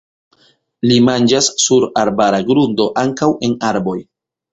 Ii manĝas sur arbara grundo, ankaŭ en arboj.